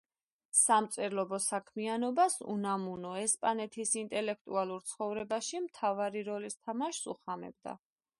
სამწერლობო საქმიანობას უნამუნო ესპანეთის ინტელექტუალურ ცხოვრებაში მთავარი როლის თამაშს უხამებდა.